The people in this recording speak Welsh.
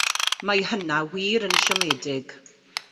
Mae hynna wir yn siomedig.